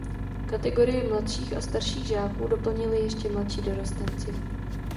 Kategorie mladších a starších žáků doplnili ještě mladší dorostenci.